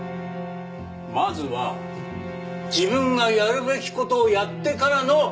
まずは自分がやるべき事をやってからの話だよ！